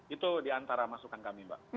itu di antara masukan kami mbak